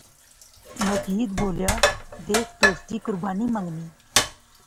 مجید بولیا، دیکھ دوستی قربانی منگنی